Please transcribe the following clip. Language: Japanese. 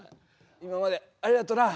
「今までありがとな」。